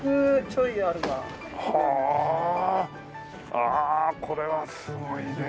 ああこれはすごいね。